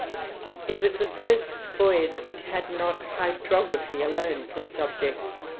It was the first voyage which had not hydrography alone for its object.